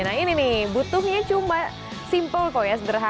nah ini nih butuhnya cuma simple kok ya sederhana